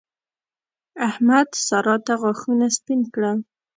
احمد؛ سارا ته غاښونه سپين کړل.